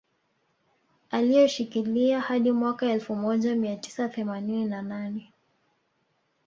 Alioshikilia hadi mwaka elfu moja mia tisa themanini na nane